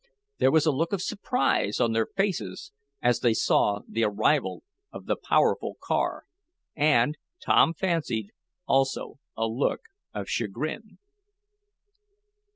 There was a look of surprise on their faces as they saw the arrival of the powerful car, and, Tom fancied, also a look of chagrin.